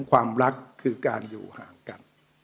ความรักคือการอยู่ห่างกัน